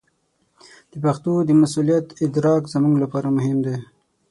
د پښتو د مسوولیت ادراک زموږ لپاره مهم دی.